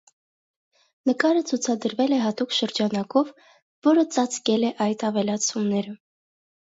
Նկարը ցուցադրվել է հատուկ շրջանակով, որը ծածկել է այդ ավելացումները։